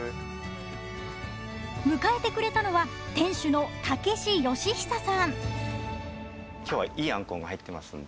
迎えてくれたのは店主の武子能久さん。